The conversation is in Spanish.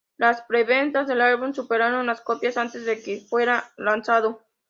Las preventas del álbum superaron las copias antes de que fuera lanzado.